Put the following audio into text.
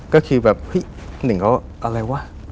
ก็คือแบบเฮ้ยหนึ่งเขาอะไรวะ